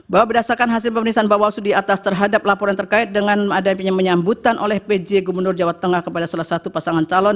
bahwa berdasarkan hasil pemeriksaan bawaslu di atas terhadap laporan terkait dengan adanya menyambutan oleh pj gubernur jawa tengah kepada salah satu pasangan calon